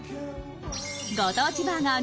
ご当地バーガー